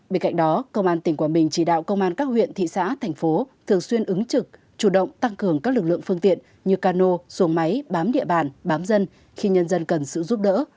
bên cạnh đó công an tỉnh quảng bình chỉ đạo công an các huyện thị xã thành phố thường xuyên ứng trực chủ động tăng cường các lực lượng phương tiện như cano xuồng máy bám địa bàn bám dân khi nhân dân cần sự giúp đỡ